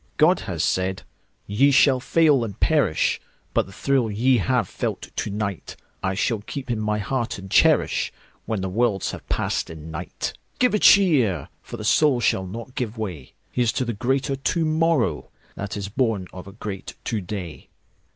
God has said: "Ye shall fail and perish; But the thrill ye have felt to nightI shall keep in my heart and cherishWhen the worlds have passed in night."Give a cheer! For the soul shall not give way. Here's to the greater to morrowThat is born of a great to day!